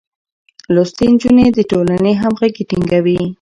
لوستې نجونې د ټولنې همغږي ټينګوي.